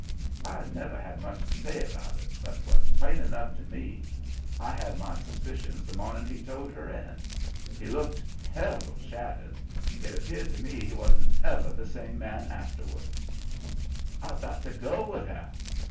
"I never had much to say about it, but 'twas plain enough to me. I had my suspicions the mornin' he towed her in. He looked terrible shattered. It 'peared to me he wan't ever the same man afterwards. "'I've got to go with her!'